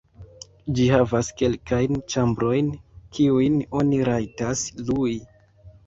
Ĝi havas kelkajn ĉambrojn, kiujn oni rajtas lui.